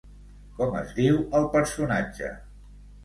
Com es diu el personatge?